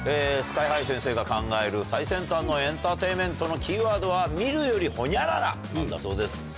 ＳＫＹ−ＨＩ先生が考える最先端のエンターテインメントのキーワードは「見るよりホニャララ」なんだそうです。